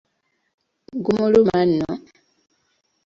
Gumuluma nno.